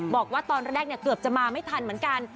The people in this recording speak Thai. บอกว่าตอนแรกเกือบจะมาไม่ทันเหมือนกัน